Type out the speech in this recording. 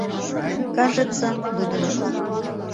«КАЖЕТСЯ, ЛУДЫНЫТ...»